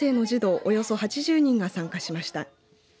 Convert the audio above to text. およそ８０人が参加しました。